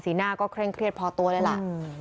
หน้าก็เคร่งเครียดพอตัวเลยล่ะ